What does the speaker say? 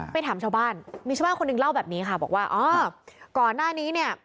ถามชาวบ้านมีชาวบ้านคนหนึ่งเล่าแบบนี้ค่ะบอกว่าอ๋อก่อนหน้านี้เนี่ย